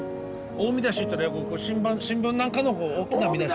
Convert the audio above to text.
大見出しっていうのは新聞なんかの大きな見出し。